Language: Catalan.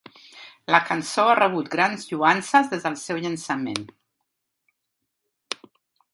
La cançó ha rebut grans lloances des del seu llançament.